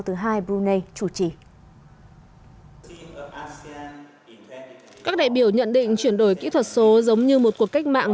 thứ hai brunei chủ trì các đại biểu nhận định chuyển đổi kỹ thuật số giống như một cuộc cách mạng